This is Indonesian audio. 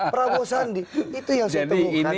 prabowo sandi itu yang saya temukan